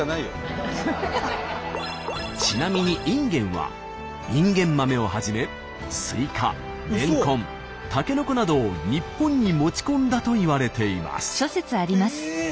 ちなみに隠元はインゲン豆をはじめスイカレンコンタケノコなどを日本に持ち込んだといわれています。